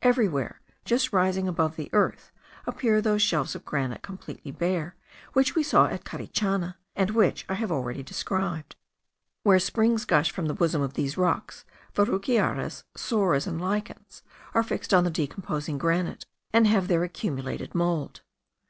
Everywhere, just rising above the earth, appear those shelves of granite completely bare, which we saw at Carichana, and which I have already described. Where springs gush from the bosom of these rocks, verrucarias, psoras, and lichens are fixed on the decomposed granite, and have there accumulated mould.